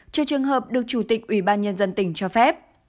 trừ trường hợp được chủ tịch ủy ban nhân dân tỉnh cho phép